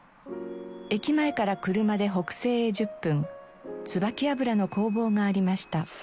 駅前から車で北西へ１０分椿油の工房がありました。